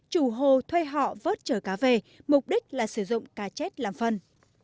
chủ hồ thuê họ vớt trở cá về mục đích là sử dụng cá chết làm phân